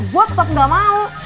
gue tetep gak mau